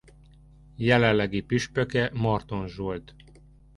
Jelenlegi püspöke Marton Zsolt.